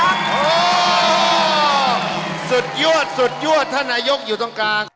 สุดยอดสุดยอดท่านนายกอยู่ตรงกลาง